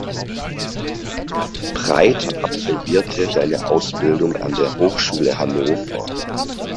Breiter absolvierte seine Ausbildung an der Hochschule Hannover.